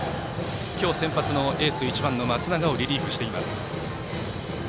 今日、先発のエース１番の松永をリリーフしています。